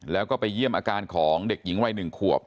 แล้วก็ไปเยี่ยมอาการของเด็กหญิงวัย๑ขวบ